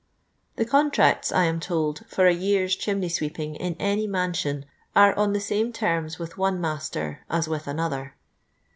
*' The contracts, I am told, for a year's chiumey sweeping in any mansion are on the same terms with one master as with another.